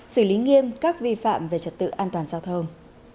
xử lý nghiêm các vi phạm về trật tự an toàn giao thông